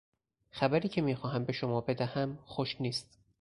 خبری که میخواهم به شما بدهم خوش نیست.